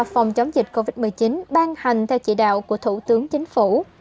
phòng chống dịch covid một mươi chín ban hành theo chỉ đạo của thủ tướng chính phủ